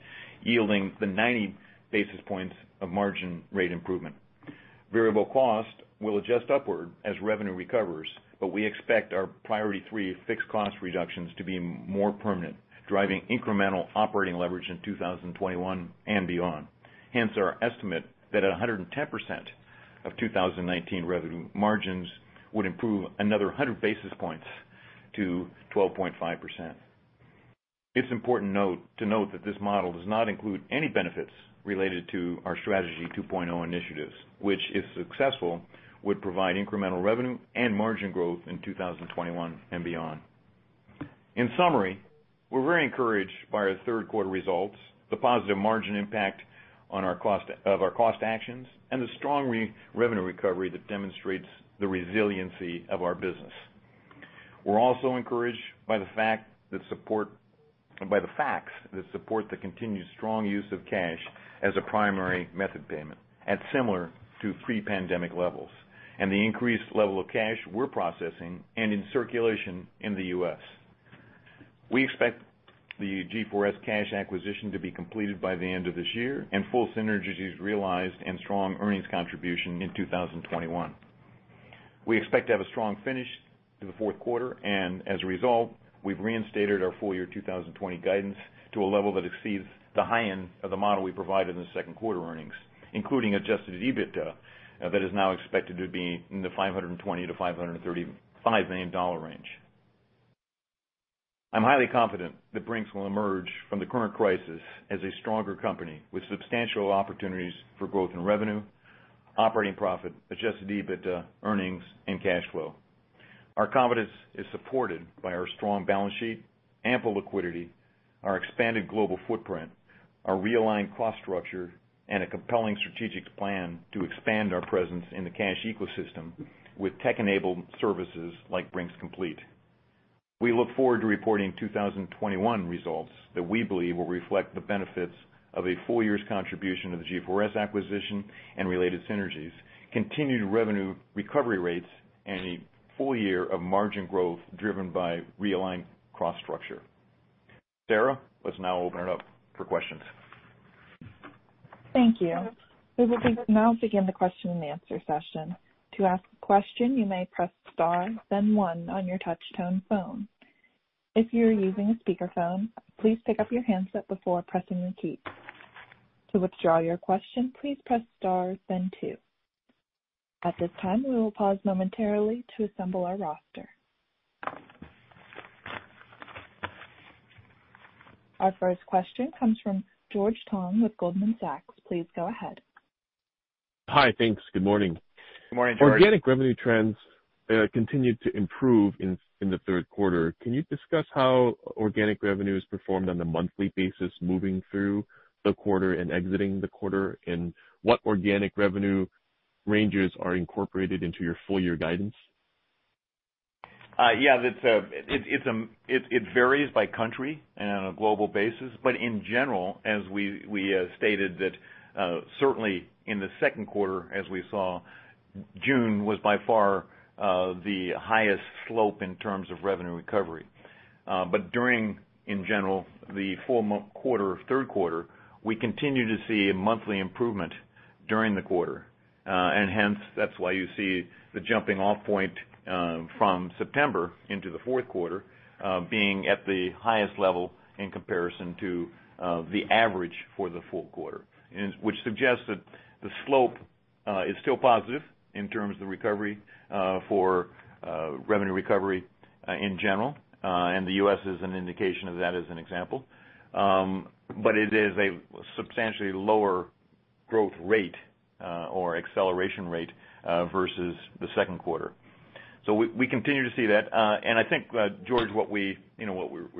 [SPEAKER 3] yielding the 90 basis points of margin rate improvement. Variable cost will adjust upward as revenue recovers, we expect our Priority 3 fixed cost reductions to be more permanent, driving incremental operating leverage in 2021 and beyond. Hence our estimate that at 110% of 2019 revenue, margins would improve another 100 basis points to 12.5%. It's important to note that this model does not include any benefits related to our Strategy 2.0 initiatives, which, if successful, would provide incremental revenue and margin growth in 2021 and beyond. In summary, we're very encouraged by our third quarter results, the positive margin impact of our cost actions, and the strong Revenue Recovery that demonstrates the resiliency of our business. We're also encouraged by the facts that support the continued strong use of cash as a primary method of payment at similar to pre-pandemic levels, and the increased level of cash we're processing and in circulation in the U.S. We expect the G4S cash acquisition to be completed by the end of this year, and full synergies realized and strong earnings contribution in 2021. We expect to have a strong finish in the fourth quarter. As a result, we've reinstated our full year 2020 guidance to a level that exceeds the high end of the model we provided in the second quarter earnings, including Adjusted EBITDA that is now expected to be in the $520 million-$535 million range. I'm highly confident that Brink's will emerge from the current crisis as a stronger company with substantial opportunities for growth in revenue, operating profit, Adjusted EBITDA, earnings, and cash flow. Our confidence is supported by our strong balance sheet, ample liquidity, our expanded global footprint, our Realigned Cost Structure, and a compelling strategic plan to expand our presence in the Cash Ecosystem with tech-enabled services like Brink's Complete. We look forward to reporting 2021 results that we believe will reflect the benefits of a full year's contribution of the G4S acquisition and related synergies, continued Revenue Recovery rates, and a full year of margin growth driven by Realigned Cost Structure. Sarah, let's now open it up for questions.
[SPEAKER 1] Thank you. We will now begin the question and answer session. Our first question comes from George Tong with Goldman Sachs. Please go ahead.
[SPEAKER 5] Hi. Thanks. Good morning.
[SPEAKER 3] Good morning, George.
[SPEAKER 5] Organic revenue trends continued to improve in the third quarter. Can you discuss how organic revenues performed on a monthly basis moving through the quarter and exiting the quarter, and what organic revenue ranges are incorporated into your full year guidance?
[SPEAKER 3] Yeah. It varies by country on a global basis, but in general, as we stated that certainly in the second quarter as we saw, June was by far the highest slope in terms of Revenue Recovery. During, in general, the full quarter of third quarter, we continue to see a monthly improvement during the quarter. Hence, that's why you see the jumping off point from September into the fourth quarter being at the highest level in comparison to the average for the full quarter. Which suggests that the slope is still positive in terms of the recovery for Revenue Recovery in general. The U.S. is an indication of that as an example. It is a substantially lower growth rate, or acceleration rate, versus the second quarter. We continue to see that. I think, George, what we're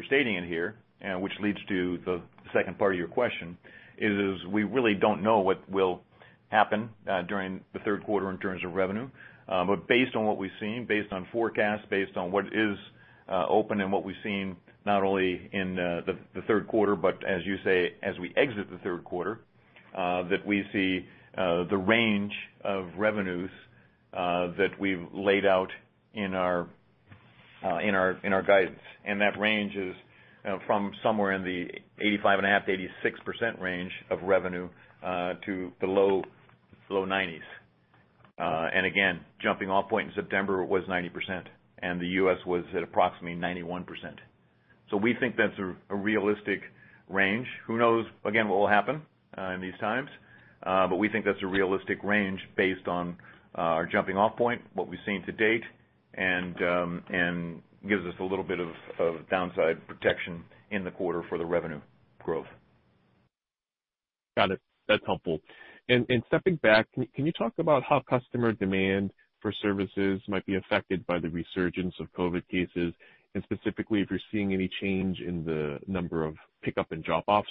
[SPEAKER 3] stating in here, which leads to the second part of your question, is we really don't know what will happen during the third quarter in terms of revenue. Based on what we've seen, based on forecast, based on what is open and what we've seen, not only in the third quarter but as you say, as we exit the third quarter, that we see the range of revenues that we've laid out in our guidance. That range is from somewhere in the 85.5%, 86% range of revenue, to the low 90s. Again, jumping off point in September was 90%, and the U.S. was at approximately 91%. We think that's a realistic range. Who knows, again, what will happen in these times? We think that's a realistic range based on our jumping off point, what we've seen to date, and gives us a little bit of downside protection in the quarter for the revenue growth.
[SPEAKER 5] Got it. That's helpful. Stepping back, can you talk about how customer demand for services might be affected by the resurgence of COVID-19 cases, and specifically if you're seeing any change in the number of pickup and drop-offs?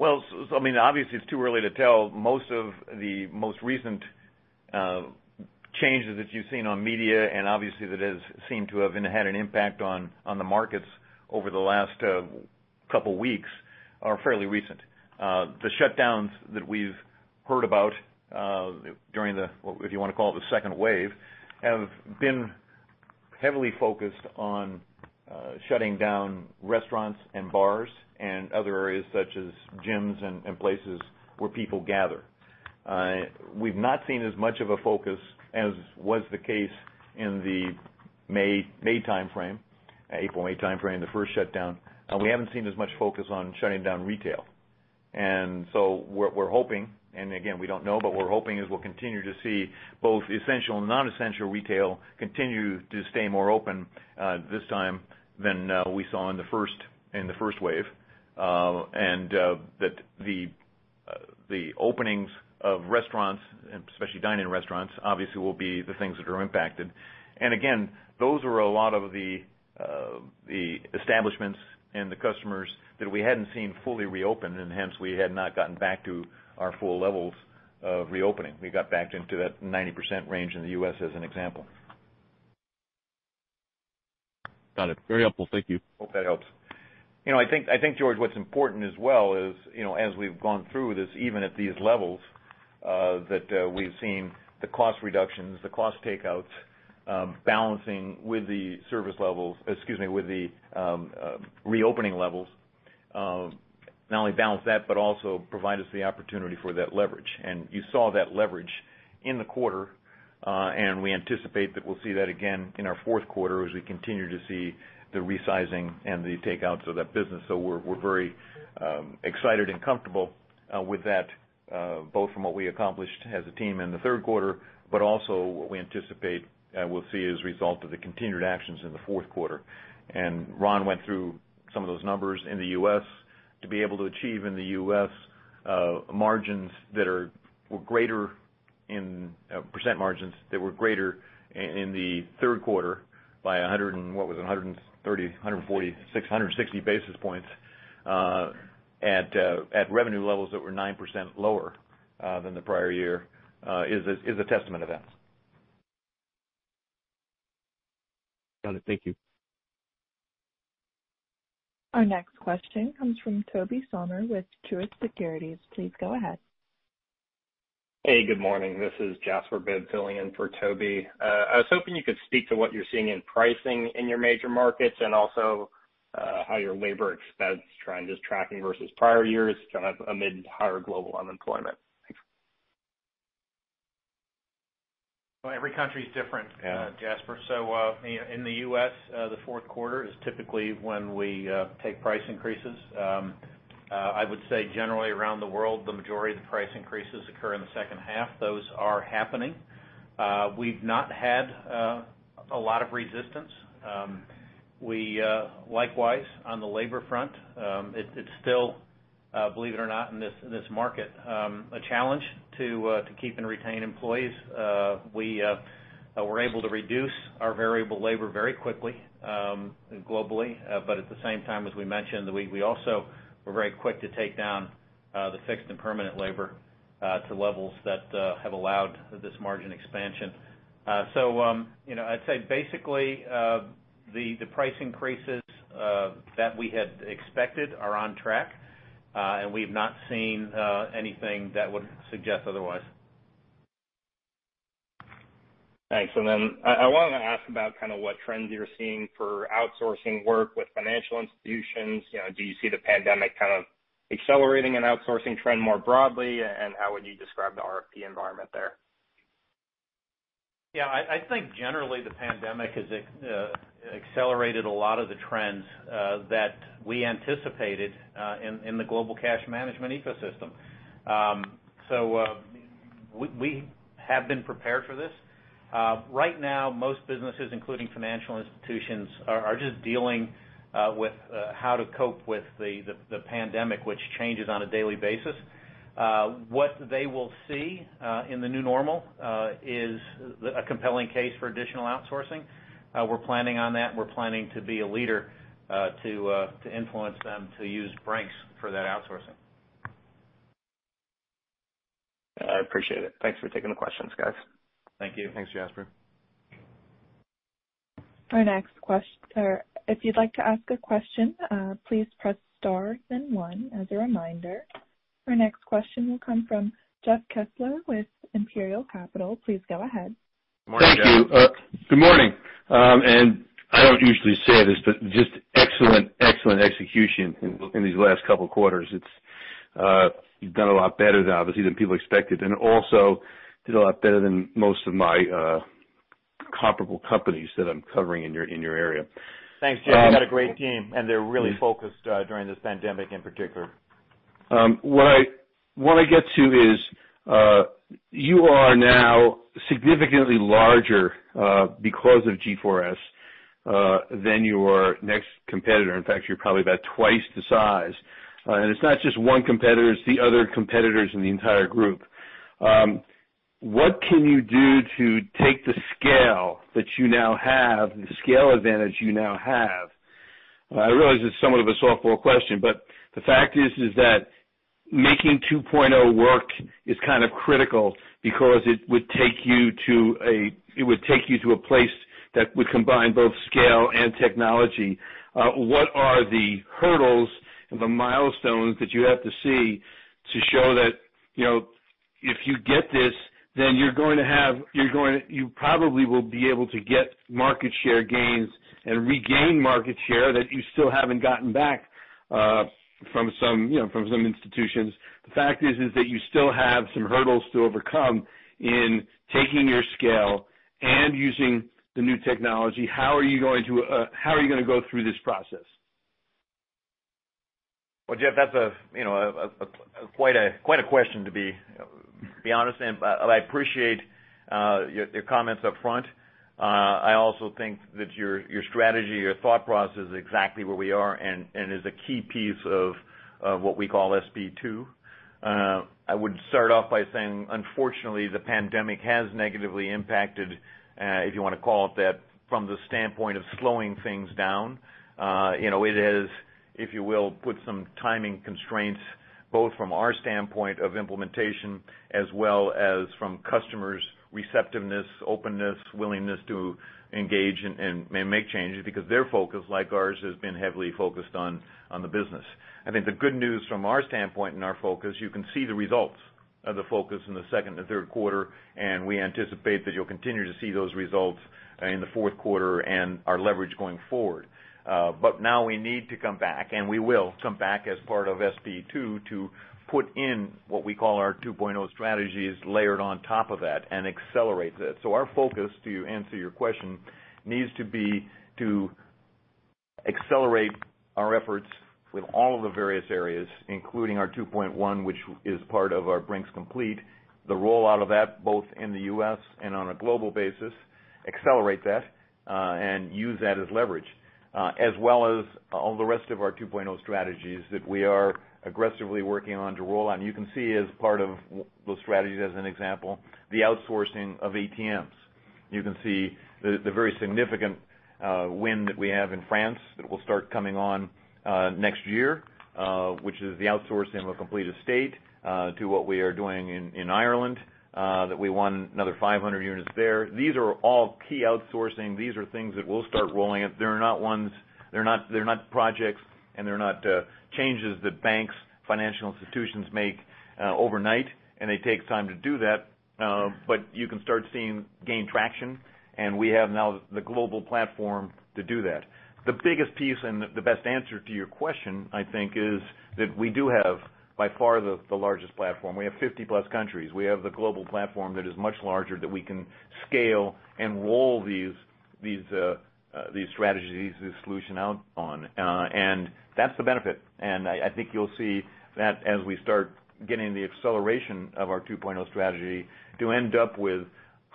[SPEAKER 3] I mean, obviously, it's too early to tell. Most of the most recent changes that you've seen on media, and obviously that has seemed to have had an impact on the markets over the last couple of weeks are fairly recent. The shutdowns that we've heard about during the, if you want to call it, the second wave, have been heavily focused on shutting down restaurants and bars and other areas such as gyms and places where people gather. We've not seen as much of a focus as was the case in the April, May timeframe, the first shutdown. We haven't seen as much focus on shutting down retail. We're hoping, and again, we don't know, but we're hoping is we'll continue to see both essential and non-essential retail continue to stay more open this time than we saw in the first wave. That the openings of restaurants, and especially dine-in restaurants, obviously, will be the things that are impacted. Again, those were a lot of the establishments and the customers that we hadn't seen fully reopen, and hence we had not gotten back to our full levels of reopening. We got back into that 90% range in the U.S., as an example.
[SPEAKER 5] Got it. Very helpful. Thank you.
[SPEAKER 3] Hope that helps. I think, George, what's important as well is, as we've gone through this, even at these levels, that we've seen the cost reductions, the cost takeouts balancing with the service levels-- excuse me, with the reopening levels. Not only balance that, but also provide us the opportunity for that leverage. You saw that leverage in the quarter. We anticipate that we'll see that again in our fourth quarter as we continue to see the resizing and the takeouts of that business. We're very excited and comfortable with that, both from what we accomplished as a team in the third quarter, but also what we anticipate we'll see as a result of the continued actions in the fourth quarter. Ron went through some of those numbers in the U.S. to be able to achieve in the U.S. margins that were greater in percent margins, that were greater in the third quarter by 100 and what was it? 130, 140, 160 basis points at revenue levels that were 9% lower than the prior year is a testament of that.
[SPEAKER 5] Got it. Thank you.
[SPEAKER 1] Our next question comes from Tobey Sommer with Truist Securities. Please go ahead.
[SPEAKER 6] Hey, good morning. This is Jasper Bibb filling in for Tobey. I was hoping you could speak to what you're seeing in pricing in your major markets and also how your labor expense trend is tracking versus prior years amid higher global unemployment. Thanks.
[SPEAKER 4] Well, every country is different Jasper. In the U.S., the fourth quarter is typically when we take price increases. I would say generally around the world, the majority of the price increases occur in the second half. Those are happening. We've not had a lot of resistance. Likewise, on the labor front, it's still, believe it or not, in this market, a challenge to keep and retain employees. We were able to reduce our variable labor very quickly globally. At the same time, as we mentioned, we also were very quick to take down the fixed and permanent labor to levels that have allowed this margin expansion. I'd say basically, the price increases that we had expected are on track, and we've not seen anything that would suggest otherwise.
[SPEAKER 6] Thanks. I wanted to ask about what trends you're seeing for outsourcing work with financial institutions. Do you see the pandemic kind of accelerating an outsourcing trend more broadly? How would you describe the RFP environment there?
[SPEAKER 4] Yeah, I think generally the pandemic has accelerated a lot of the trends that we anticipated in the global cash management ecosystem. We have been prepared for this. Right now, most businesses, including financial institutions, are just dealing with how to cope with the pandemic, which changes on a daily basis. What they will see in the new normal is a compelling case for additional outsourcing. We're planning on that. We're planning to be a leader to influence them to use Brink's for that outsourcing.
[SPEAKER 6] I appreciate it. Thanks for taking the questions, guys.
[SPEAKER 4] Thank you.
[SPEAKER 3] Thanks, Jasper.
[SPEAKER 1] If you'd like to ask a question, please press star then one. As a reminder, our next question will come from Jeff Kessler with Imperial Capital. Please go ahead.
[SPEAKER 3] Morning, Jeff.
[SPEAKER 7] Thank you. Good morning. I don't usually say this, just excellent execution in these last couple of quarters. You've done a lot better obviously than people expected, also did a lot better than most of my comparable companies that I'm covering in your area.
[SPEAKER 3] Thanks, Jeff. We've got a great team, and they're really focused during this pandemic in particular.
[SPEAKER 7] What I want to get to is, you are now significantly larger because of G4S than your next competitor. In fact, you're probably about twice the size. It's not just one competitor, it's the other competitors in the entire group. What can you do to take the scale that you now have, the scale advantage you now have? I realize it's somewhat of a softball question, but the fact is that making 2.0 work is kind of critical because it would take you to a place that would combine both scale and technology. What are the hurdles and the milestones that you have to see to show that if you get this, then you probably will be able to get market share gains and regain market share that you still haven't gotten back from some institutions. The fact is that you still have some hurdles to overcome in taking your scale and using the new technology. How are you going to go through this process?
[SPEAKER 3] Well, Jeff, that's quite a question to be honest. I appreciate your comments upfront. I also think that your strategy, your thought process is exactly where we are and is a key piece of what we call SP2. I would start off by saying, unfortunately, the pandemic has negatively impacted, if you want to call it that, from the standpoint of slowing things down. It has, if you will, put some timing constraints both from our standpoint of implementation as well as from customers' receptiveness, openness, willingness to engage and make changes because their focus, like ours, has been heavily focused on the business. I think the good news from our standpoint and our focus, you can see the results of the focus in the second and third quarter, and we anticipate that you'll continue to see those results in the fourth quarter and our leverage going forward. Now we need to come back, and we will come back as part of SP2 to put in what we call our 2.0 strategies layered on top of that and accelerate that. Our focus, to answer your question, needs to be to accelerate our efforts with all of the various areas, including our 2.1, which is part of our Brink's Complete. The rollout of that both in the U.S. and on a global basis, accelerate that, and use that as leverage. As well as all the rest of our 2.0 strategies that we are aggressively working on to roll out. You can see as part of those strategies as an example, the outsourcing of ATMs. You can see the very significant win that we have in France that will start coming on next year, which is the outsourcing of a complete estate to what we are doing in Ireland, that we won another 500 units there. These are all key outsourcing. These are things that will start rolling out. They're not projects and they're not changes that banks, financial institutions make overnight, and they take time to do that. You can start seeing gain traction, and we have now the global platform to do that. The biggest piece and the best answer to your question, I think, is that we do have by far the largest platform. We have 50 plus countries. We have the global platform that is much larger that we can scale and roll these strategies, these solutions out on. That's the benefit. I think you'll see that as we start getting the acceleration of our Strategy 2.0 to end up with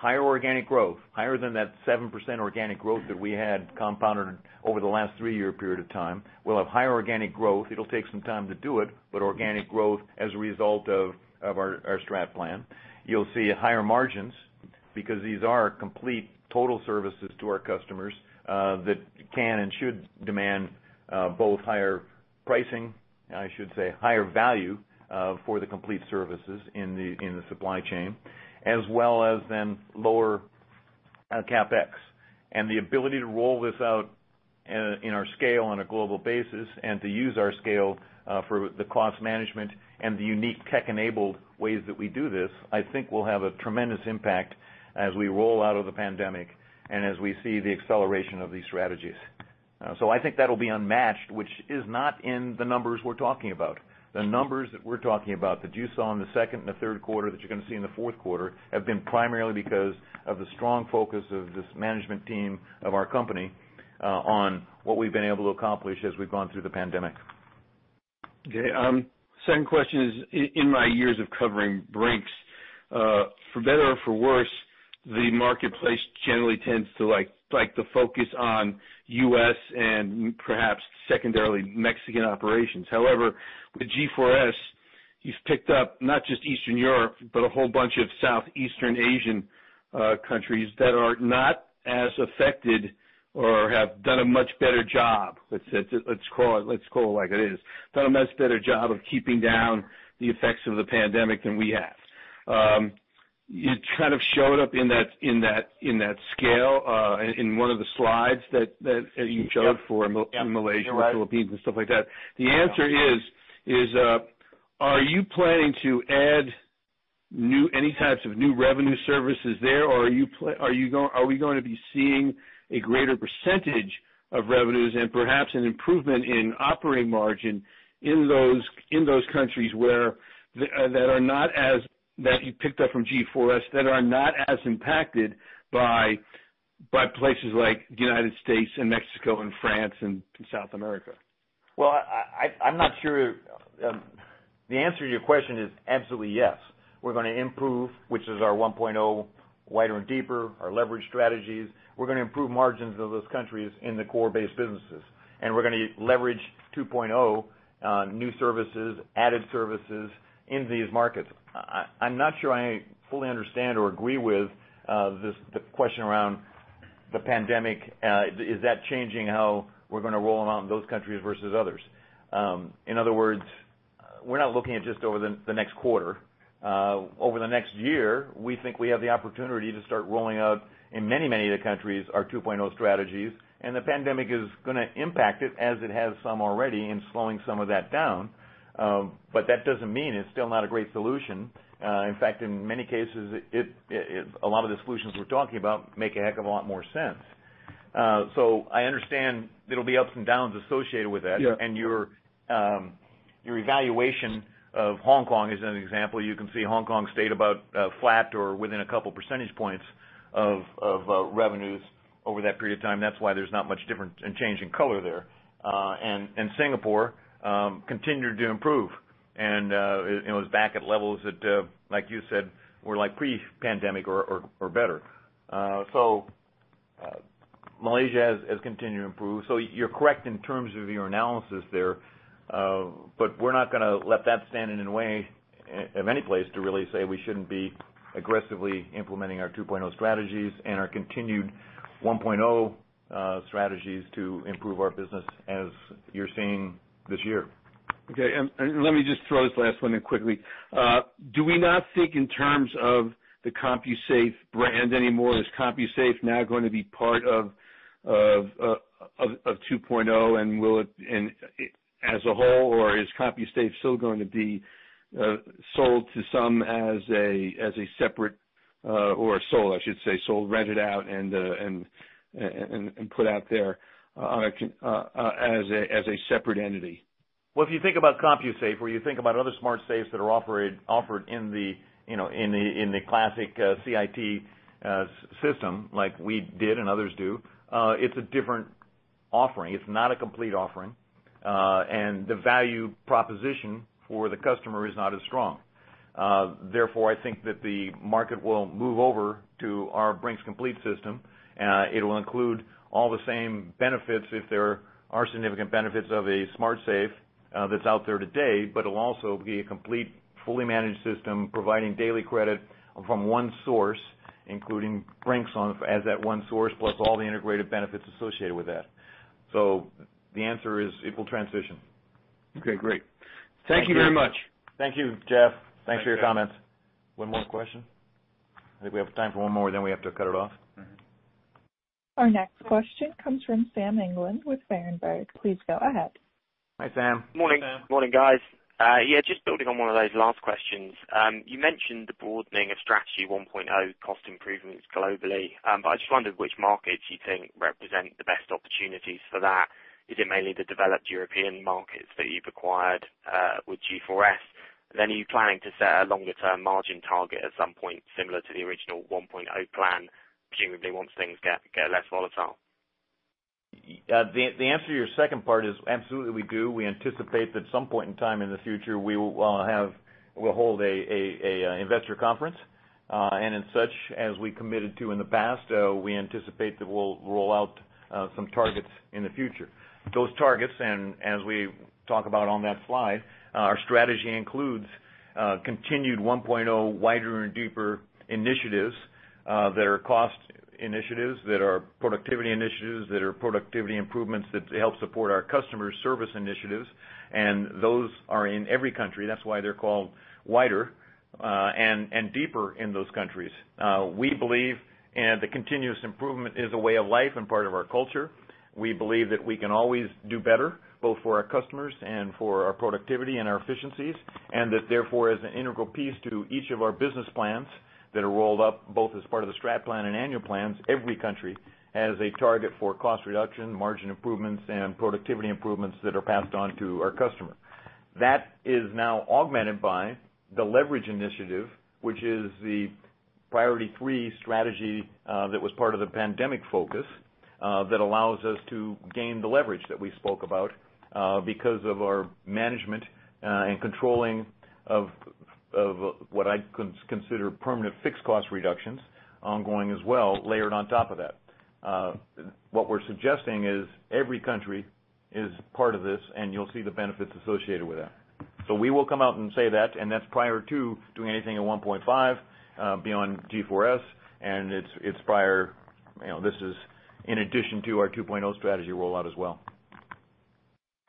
[SPEAKER 3] higher organic growth, higher than that 7% organic growth that we had compounded over the last three-year period of time. We'll have higher organic growth. It'll take some time to do it, but organic growth as a result of our strat plan. You'll see higher margins because these are complete total services to our customers, that can and should demand both higher pricing, I should say, higher value for the complete services in the supply chain, as well as then lower CapEx. The ability to roll this out in our scale on a global basis and to use our scale for the cost management and the unique tech-enabled ways that we do this, I think will have a tremendous impact as we roll out of the pandemic and as we see the acceleration of these strategies. I think that'll be unmatched, which is not in the numbers we're talking about. The numbers that we're talking about that you saw in the second and the third quarter, that you're going to see in the fourth quarter, have been primarily because of the strong focus of this management team of our company on what we've been able to accomplish as we've gone through the pandemic.
[SPEAKER 7] Okay. Second question is, in my years of covering Brink's, for better or for worse, the marketplace generally tends to like to focus on U.S. and perhaps secondarily Mexican operations. With G4S, you've picked up not just Eastern Europe, but a whole bunch of Southeastern Asian countries that are not as affected or have done a much better job, let's call it like it is, done a much better job of keeping down the effects of the pandemic than we have. It kind of showed up in that scale in one of the slides that you showed for Malaysia.
[SPEAKER 3] Yeah. You're right.
[SPEAKER 7] Philippines and stuff like that. The answer is, are you planning to add any types of new revenue services there? Are we going to be seeing a greater percentage of revenues and perhaps an improvement in operating margin in those countries that you picked up from G4S that are not as impacted by places like the United States and Mexico and France and South America?
[SPEAKER 3] I'm not sure. The answer to your question is absolutely yes. We're going to improve, which is our 1.0 wider and deeper, our leverage strategies. We're going to improve margins of those countries in the core-based businesses. We're going to leverage 2.0, new services, added services in these markets. I'm not sure I fully understand or agree with the question around the pandemic. Is that changing how we're going to roll them out in those countries versus others? In other words, we're not looking at just over the next quarter. Over the next year, we think we have the opportunity to start rolling out in many of the countries our 2.0 strategies, and the pandemic is going to impact it as it has some already in slowing some of that down. That doesn't mean it's still not a great solution. In fact, in many cases, a lot of the solutions we're talking about make a heck of a lot more sense. I understand there'll be ups and downs associated with that. Your evaluation of Hong Kong as an example, you can see Hong Kong stayed about flat or within a couple percentage points of revenues over that period of time. That's why there's not much difference in change in color there. Singapore continued to improve. It was back at levels that, like you said, were like pre-pandemic or better. Malaysia has continued to improve. You're correct in terms of your analysis there. We're not going to let that stand in the way in any place to really say we shouldn't be aggressively implementing our 2.0 strategies and our continued 1.0 strategies to improve our business as you're seeing this year.
[SPEAKER 7] Okay. Let me just throw this last one in quickly. Do we not think in terms of the CompuSafe brand anymore? Is CompuSafe now going to be part of 2.0 as a whole, or is CompuSafe still going to be sold, rented out, and put out there as a separate entity?
[SPEAKER 3] Well, if you think about CompuSafe, or you think about other smart safes that are offered in the classic CIT system like we did and others do, it's a different offering. It's not a complete offering. The value proposition for the customer is not as strong. Therefore, I think that the market will move over to our Brink's Complete System. It'll include all the same benefits if there are significant benefits of a smart safe that's out there today, but it'll also be a complete, fully managed system providing daily credit from one source, including Brink's as that one source, plus all the integrated benefits associated with that. The answer is it will transition.
[SPEAKER 7] Okay, great. Thank you very much.
[SPEAKER 3] Thank you, Jeff. Thnaks for your comments. One more question? I think we have time for one more, then we have to cut it off.
[SPEAKER 1] Our next question comes from Sam England with Berenberg. Please go ahead.
[SPEAKER 3] Hi, Sam.
[SPEAKER 4] Hi, Sam.
[SPEAKER 8] Morning, guys. Yeah, just building on one of those last questions. You mentioned the broadening of Strategy 1.0 cost improvements globally. I just wondered which markets you think represent the best opportunities for that. Is it mainly the developed European markets that you've acquired with G4S? Are you planning to set a longer-term margin target at some point similar to the original 1.0 plan, presumably once things get less volatile?
[SPEAKER 3] The answer to your second part is absolutely we do. We anticipate that at some point in time in the future, we'll hold an investor conference. As such, as we committed to in the past, we anticipate that we'll roll out some targets in the future. Those targets, and as we talk about on that slide, our strategy includes continued Strategy 1.0 wider and deeper initiatives that are cost initiatives, that are productivity initiatives, that are productivity improvements that help support our customer service initiatives, and those are in every country. That's why they're called wider and deeper in those countries. We believe the continuous improvement is a way of life and part of our culture. We believe that we can always do better, both for our customers and for our productivity and our efficiencies, and that therefore, as an integral piece to each of our business plans that are rolled up both as part of the strat plan and annual plans, every country has a target for cost reduction, margin improvements, and productivity improvements that are passed on to our customer. That is now augmented by the leverage initiative, which is the priority three strategy that was part of the pandemic focus that allows us to gain the leverage that we spoke about because of our management and controlling of what I'd consider permanent fixed cost reductions ongoing as well, layered on top of that. What we're suggesting is every country is part of this, and you'll see the benefits associated with that. We will come out and say that. That's prior to doing anything at 1.5 beyond G4S. This is in addition to our 2.0 Strategy rollout as well.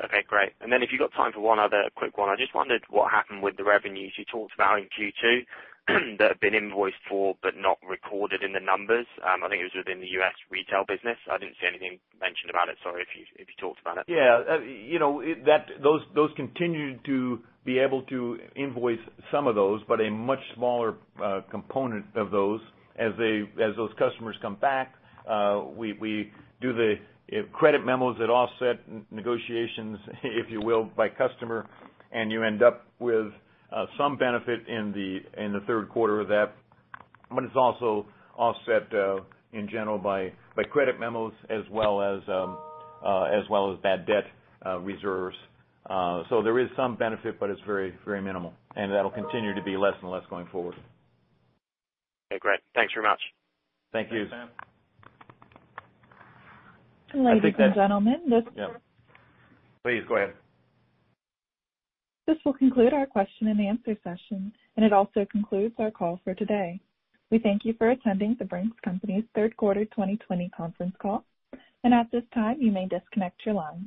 [SPEAKER 8] Okay, great. If you've got time for one other quick one. I just wondered what happened with the revenues you talked about in Q2 that have been invoiced for but not recorded in the numbers. I think it was within the U.S. retail business. I didn't see anything mentioned about it. Sorry if you talked about it.
[SPEAKER 3] Yeah. Those continue to be able to invoice some of those, but a much smaller component of those. As those customers come back, we do the credit memos that offset negotiations if you will, by customer, and you end up with some benefit in the third quarter of that. It's also offset in general by credit memos as well as bad debt reserves. There is some benefit, but it's very minimal. That'll continue to be less and less going forward.
[SPEAKER 8] Okay, great. Thanks very much.
[SPEAKER 3] Thank you.
[SPEAKER 4] Thanks, Sam.
[SPEAKER 1] Ladies and gentlemen.
[SPEAKER 3] Yeah. Please go ahead.
[SPEAKER 1] This will conclude our question and answer session. It also concludes our call for today. We thank you for attending The Brink's Company's third quarter 2020 conference call. At this time, you may disconnect your lines.